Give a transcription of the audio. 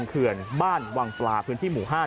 เฮ้ยเฮ้ยเฮ้ยเฮ้ย